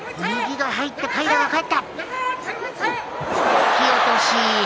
突き落とし。